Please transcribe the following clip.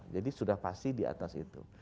jadi sudah pasti di atas itu